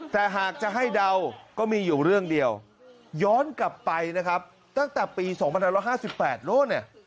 แต่หากจะให้เดาก็มีอยู่เรื่องเดียวย้อนกลับไปนะครับตั้งแต่ปี๒๕๕๘โน้นเนี่ย